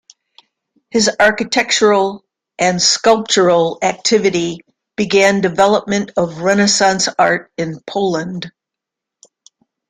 His architectural and sculptural activity began development of renaissance art in Poland.